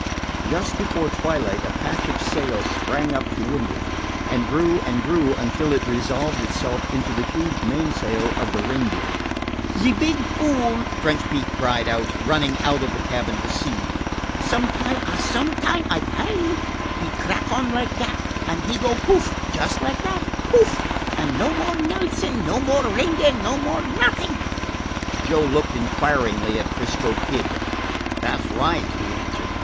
Just before twilight a patch of sail sprang up to windward, and grew and grew until it resolved itself into the huge mainsail of the Reindeer. "Ze beeg fool!" French Pete cried, running out of the cabin to see. "Sometime ah, sometime, I tell you he crack on like dat, an' he go, pouf! just like dat, pouf! an' no more Nelson, no more Reindeer, no more nothing." Joe looked inquiringly at 'Frisco Kid. "That 's right," he answered.